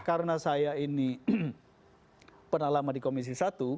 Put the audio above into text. karena saya ini penalama di komisi satu